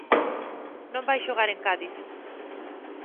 Non vai xogar en Cádiz.